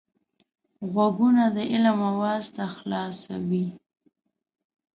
غوږونه د علم آواز ته خلاص وي